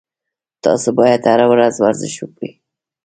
تاسو باید هر ورځ ورزش وکړئ